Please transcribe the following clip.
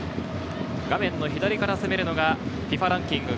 画面の左から攻めるのがＦＩＦＡランキング